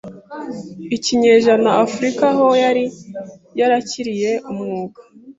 Ikinyejana Afurika aho yari yarakiriye umwuga